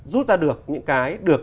rút ra được những cái được